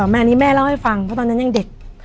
แม่อันนี้แม่เล่าให้ฟังเพราะตอนนั้นยังเด็ก